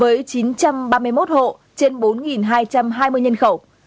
huyện hương hóa với chín trăm ba mươi một hộ trên bốn hai trăm hai mươi nhân khẩu